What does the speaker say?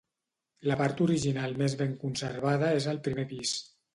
La part original més ben conservada és el primer pis.